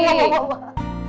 udah udah udah